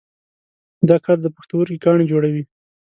دا کار د پښتورګي کاڼي جوړوي.